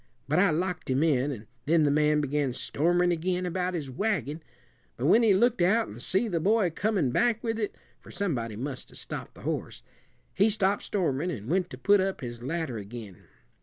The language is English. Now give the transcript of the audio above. But I locked him in, and then the man began stormin' again about his wagon; but when he looked out an' see the boy comin' back with it for somebody must 'a' stopped the horse he stopped stormin' and went to put up his ladder ag'in.